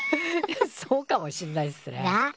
そうかもしんないっすね。なあ？